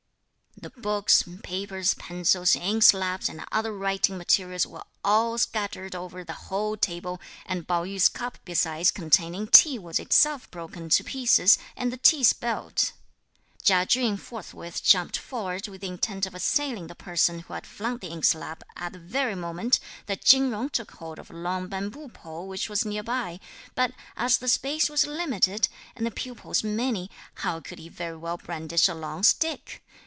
The books, papers, pencils, inkslabs, and other writing materials were all scattered over the whole table; and Pao yü's cup besides containing tea was itself broken to pieces and the tea spilt. Chia Chün forthwith jumped forward with the intent of assailing the person who had flung the inkslab at the very moment that Chin Jung took hold of a long bamboo pole which was near by; but as the space was limited, and the pupils many, how could he very well brandish a long stick?